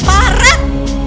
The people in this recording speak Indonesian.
apa yang terbuat